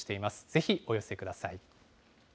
ぜひお寄せください。